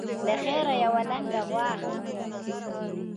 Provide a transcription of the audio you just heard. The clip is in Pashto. له خیره یوه لنګه غوا اخلم.